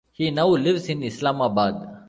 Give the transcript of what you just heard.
He now lives in Islamabad.